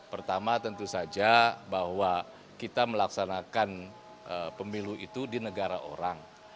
pertama tentu saja bahwa kita melaksanakan pemilu itu di negara orang